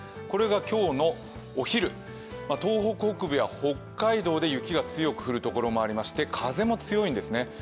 これが今日のお昼、東北北部や北海道で雪が強く降る所もありまして、風も強いんですね。